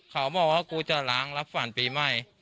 เขาบอกว่ากูจะล้างรับฝันปีใหม่